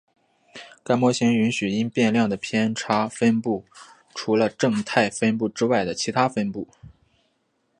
该模型允许因变量的偏差分布有除了正态分布之外的其它分布。